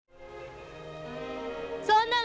そんなん